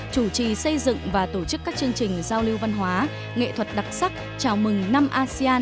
chủ trì xây dựng và tổ chức các chương trình giao lưu văn hóa nghệ thuật đặc sắc chào mừng năm asean hai nghìn hai mươi